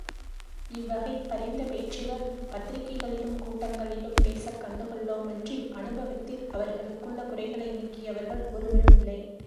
இவ்வகைப் பரிந்த பேச்சுகள் பத்திரிகைகளிலும் கூட்டங்களிலும் பேசக் கண்டுள்ளோமன்றி அனுபவத்தில் அவர்களுக்குள்ள குறைகளை நீக்கியவர்கள் ஒருவருமில்லை.